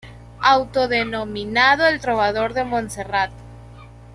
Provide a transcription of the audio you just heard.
Autodenominado El trovador de Montserrat.